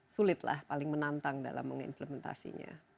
sulit lah paling menantang dalam mengimplementasinya